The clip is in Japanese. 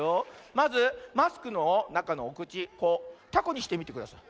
まずマスクのなかのおくちたこにしてみてください。